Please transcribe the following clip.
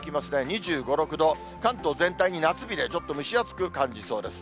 ２５、６度、関東全体に夏日で、ちょっと蒸し暑く感じそうです。